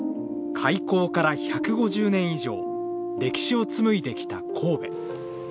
開港から１５０年以上歴史を紡いできた神戸。